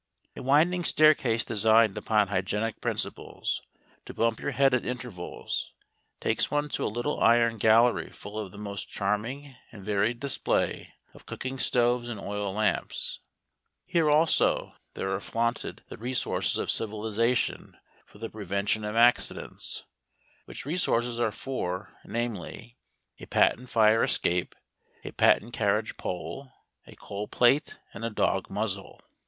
A winding staircase designed upon hygienic principles, to bump your head at intervals, takes one to a little iron gallery full of the most charming and varied display of cooking stoves and oil lamps. Here, also, there are flaunted the resources of civilisation for the Prevention of Accidents, which resources are four, namely, a patent fire escape, a patent carriage pole, a coal plate, and a dog muzzle.